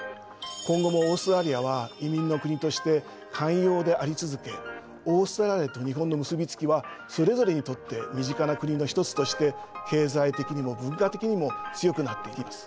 今後もオーストラリアは移民の国として寛容であり続けオーストラリアと日本の結び付きはそれぞれにとって身近な国の一つとして経済的にも文化的にも強くなっていきます。